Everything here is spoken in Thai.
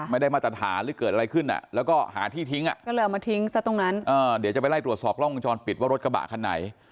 ไม่ได้มาตรฐานหรือเกิดอะไรขึ้นอ่ะแล้วก็หาที่ทิ้งอ่ะเดี๋ยวจะไปไล่ตรวจสอบล่องมังจรปิดว่ารถกระบะคันไหน